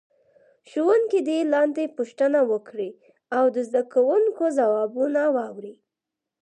ښوونکی دې لاندې پوښتنه وکړي او د زده کوونکو ځوابونه واوري.